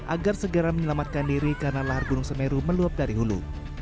agar segera menyelamatkan diri karena lahar gunung semeru meluap dari hulu